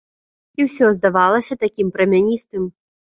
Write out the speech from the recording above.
І ўсё здавалася такім прамяністым.